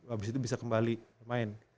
abis itu bisa kembali main